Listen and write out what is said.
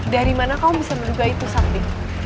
dari mana kamu bisa merugai itu sakdi